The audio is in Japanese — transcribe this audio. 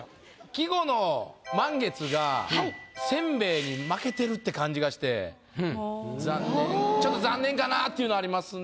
季語の「満月」が「煎餅」に負けてるって感じがして残念ちょっと残念かなっていうのありますね。